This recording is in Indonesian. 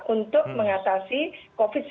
untuk mengatasi covid sembilan belas